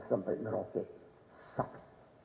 sampai merauke satu